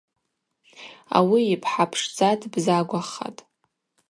Ауи йпхӏа пшдза дбзагвахатӏ.